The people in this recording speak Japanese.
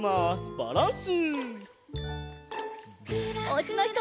バランス！